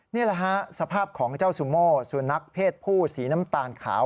นี่แหละฮะสภาพของเจ้าซูโม่สุนัขเพศผู้สีน้ำตาลขาว